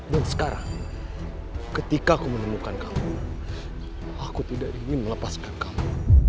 dan sekarang ketika aku menemukan kamu aku tidak ingin melepaskan kamu